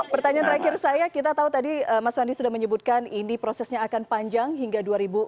pertanyaan terakhir saya kita tahu tadi mas wandi sudah menyebutkan ini prosesnya akan panjang hingga dua ribu dua puluh empat